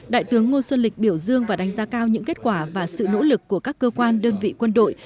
đại tướng ngô xuân lịch biểu dương và đánh giá cao những kết quả và sự nỗ lực của các cơ quan đơn vị quân đội